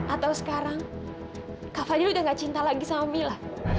atau sekarang kafadil udah nggak cinta lagi sama mila